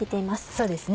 そうですね。